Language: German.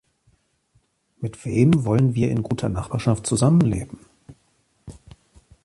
Mit wem wollen wir in guter Nachbarschaft zusammenleben?